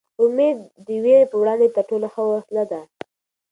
امېد د وېرې په وړاندې تر ټولو ښه وسله ده.